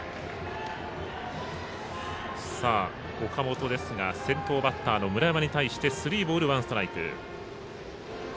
岡本ですが先頭バッターの村山に対してスリーボール、ワンストライク。